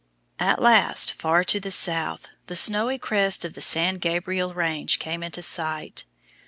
At last, far to the south, the snowy crest of the San Gabriel Range came into sight.